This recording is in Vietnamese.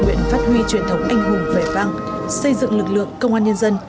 nguyện phát huy truyền thống anh hùng vẻ vang xây dựng lực lượng công an nhân dân